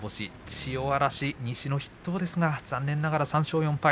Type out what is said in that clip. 千代嵐、西の筆頭ですが残念ながら３勝４敗。